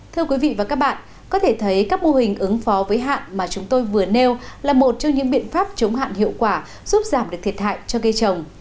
thưa quý vị và các bạn có thể thấy các mô hình ứng phó với hạn mà chúng tôi vừa nêu là một trong những biện pháp chống hạn hiệu quả giúp giảm được thiệt hại cho cây trồng